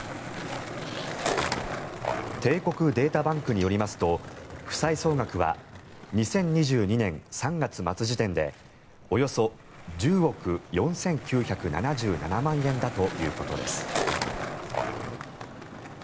帝国データバンクによりますと負債総額は２０２２年３月末時点でおよそ１０億４９７７万円だということです。